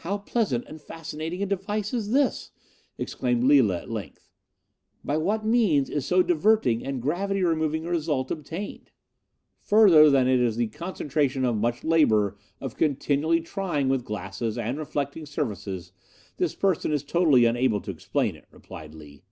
"'How pleasant and fascinating a device is this!' exclaimed Lila at length. 'By what means is so diverting and gravity removing a result obtained?' "'Further than that it is the concentration of much labour of continually trying with glasses and reflecting surfaces, this person is totally unable to explain it,' replied Lee.